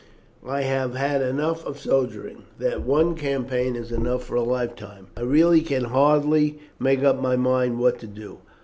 I have had enough of soldiering; that one campaign is enough for a life time. I really can hardly make up my mind what to do.